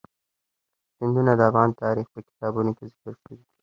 سیندونه د افغان تاریخ په کتابونو کې ذکر شوی دي.